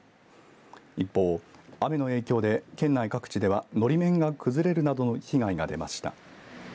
一方、雨の影響で県内各地ではのり面が崩れるなどの被害が出ました。